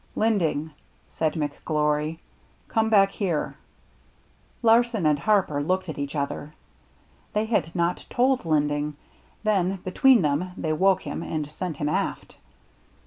" Linding," said McGlory, " come back here." Larsen and Harper looked at each other, — they had not told Linding, — then between them they woke him and sent him aft.